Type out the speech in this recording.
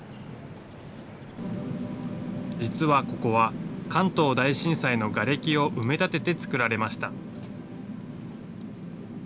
実はここは、関東大震災のがれきを埋め立てて造られました。